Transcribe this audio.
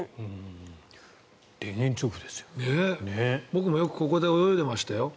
僕もよくここで泳いでましたよ。